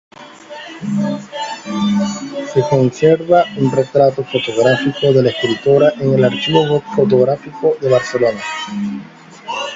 Se conserva un retrato fotográfico de la escritora en el Archivo Fotográfico de Barcelona.